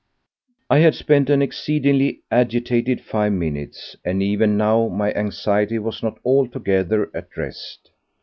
I had spent an exceedingly agitated five minutes, and even now my anxiety was not altogether at rest.